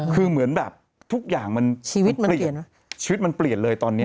คือเหมือนแบบทุกอย่างมันชีวิตมันเปลี่ยนชีวิตมันเปลี่ยนเลยตอนนี้